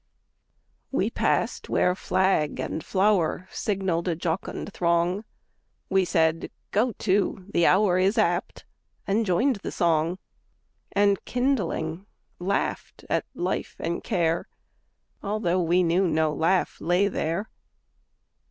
WE passed where flag and flower Signalled a jocund throng; We said: "Go to, the hour Is apt!"—and joined the song; And, kindling, laughed at life and care, Although we knew no laugh lay there.